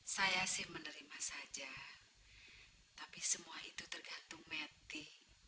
saya terima saja tapi semua itu tergantung metti